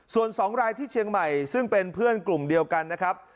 ส่วน๒รายที่เชียงใหม่ซึ่งเป็นเพื่อนกลุ่มเดียวกันนะครับ